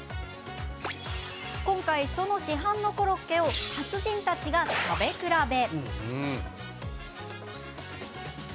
今回、その市販のコロッケを達人たちが食べ比べ。